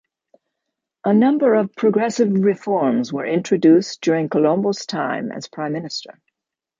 A number of progressive reforms were introduced during Colombo's time as prime minister.